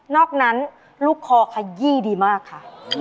อกนั้นลูกคอขยี้ดีมากค่ะ